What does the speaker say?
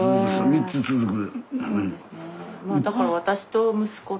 ３つ続く。